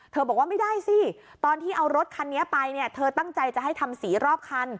บอกว่าไม่ได้สิตอนที่เอารถคันนี้ไปเนี่ยเธอตั้งใจจะให้ทำสีรอบคัน